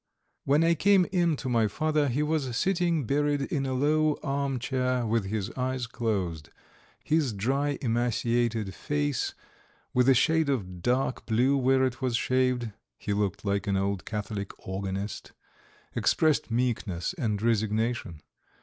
When I came in to my father he was sitting buried in a low arm chair with his eyes closed. His dry, emaciated face, with a shade of dark blue where it was shaved (he looked like an old Catholic organist), expressed meekness and resignation.